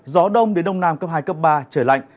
gió đông đến đông nam cấp hai cấp ba trời lạnh